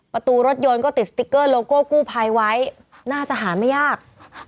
ประตูรถยนต์ก็ติดสติ๊กเกอร์โลโก้กู้ภัยไว้น่าจะหาไม่ยาก